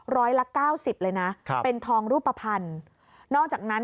ร้อยละ๙๐เลยนะเป็นทองรูปภัณฑ์นอกจากนั้น